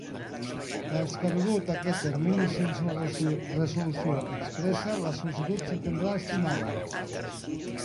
Transcorregut aquest termini sense una resolució expressa, la sol·licitud s'entendrà estimada.